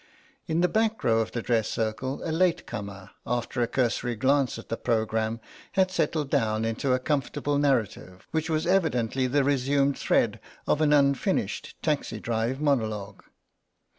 In the back row of the dress circle a late comer, after a cursory glance at the programme, had settled down into a comfortable narrative, which was evidently the resumed thread of an unfinished taxi drive monologue.